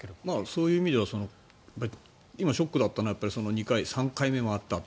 そういう意味では今、ショックだったのは２回、３回目もあった。